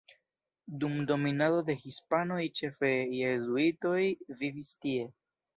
Dum dominado de hispanoj ĉefe jezuitoj vivis tie.